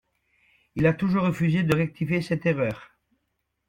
Il a toujours refusé de rectifier cette erreur.